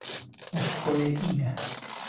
Мужское имя